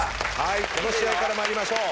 この試合から参りましょう。